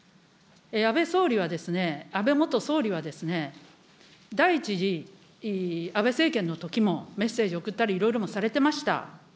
安倍総理は、安倍元総理は、第１次安倍政権のときもメッセージを送ったり、いろいろもされてました。